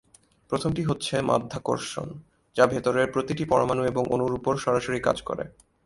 প্রথমটি হচ্ছে মাধ্যাকর্ষণ, যা ভেতরের প্রতিটি পরমাণু এবং অণুর উপর সরাসরি কাজ করে।